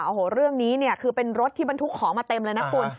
โอ้โหเรื่องนี้เนี่ยคือเป็นรถที่บรรทุกของมาเต็มเลยนะคุณ